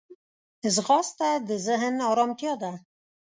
ځغاسته د ذهن ارمتیا ده